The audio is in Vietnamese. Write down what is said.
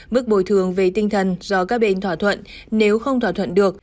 mức bồi thường về tinh thần do các bên thỏa thuận nếu không thỏa thuận được